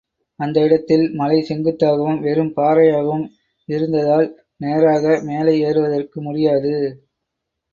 அந்த இடத்தில் மலை செங்குத்தாகவும், வெறும் பாறையாகவும் இருந்ததால் நேராக மேலே ஏறுவதற்கு முடியாது.